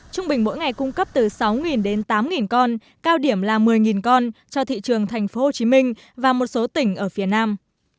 trung bình mỗi ngày cung cấp từ sáu đến tám con cao điểm là một mươi con cho thị trường tp hcm và một số tỉnh ở phía nam